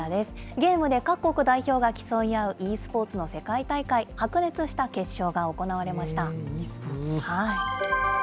ゲームで各国代表が競い合うｅスポーツの世界大会、白熱した決勝が行われました。